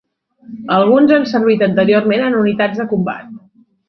Alguns han servit anteriorment en unitats de combat.